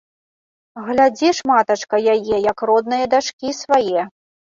Глядзі ж, матачка, яе, як роднае дачкі свае!